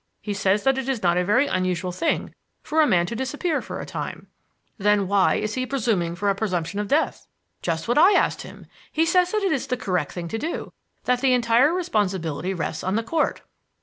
He says that it is not a very unusual thing for a man to disappear for a time." "Then why is he applying for a presumption of death?" "Just what I asked him. He says that it is the correct thing to do; that the entire responsibility rests on the Court."